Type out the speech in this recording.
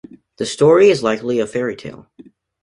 The story is likely a fairy tale.